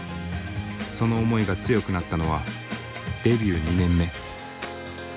その思いが強くなったのはデビュー２年目。